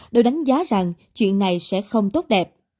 đều đánh giá rằng chuyện này sẽ không tốt đẹp